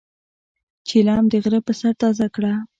چیلم د غرۀ پۀ سر تازه کړه.